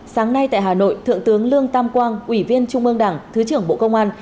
sáng nay tại hà nội thượng tướng lương tam quang ủy viên trung ương đảng thứ trưởng bộ công an